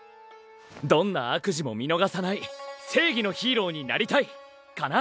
どんな悪事も見のがさない正義のヒーローになりたい！かな。